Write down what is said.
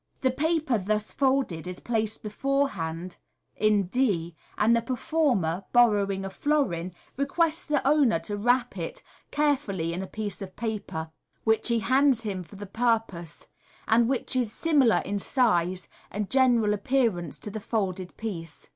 The paper thus folded is placed beforehand in i, and the performer, borrowing a florin, requests the owner to wr?p it carefully in a piece of paper, which he hands him for the purpose, and which is similar in size and general appearance to the folded piece.